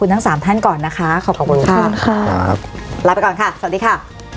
ลาไปก่อนค่ะสวัสดีค่ะ